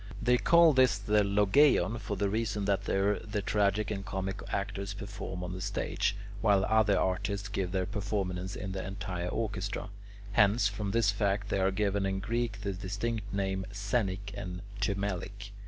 They call this the [Greek: logeion], for the reason that there the tragic and comic actors perform on the stage, while other artists give their performances in the entire orchestra; hence, from this fact they are given in Greek the distinct names "Scenic" and "Thymelic."